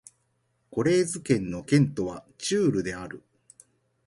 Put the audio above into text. コレーズ県の県都はチュールである